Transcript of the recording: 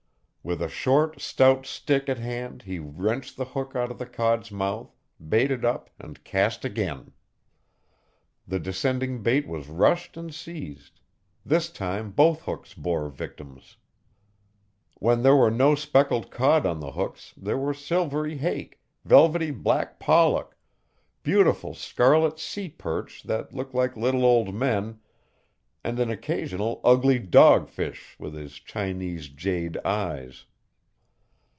With a short, stout stick at hand he wrenched the hook out of the cod's mouth, baited up, and cast again. The descending bait was rushed and seized. This time both hooks bore victims. When there were no speckled cod on the hooks there were silvery hake, velvety black pollock, beautiful scarlet sea perch that look like little old men, and an occasional ugly dogfish with his Chinese jade eyes.